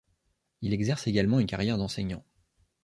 Il exerce également une carrière d’enseignant.